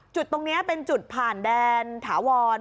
จุดตรงนี้เป็นจุดผ่านแดนถาวร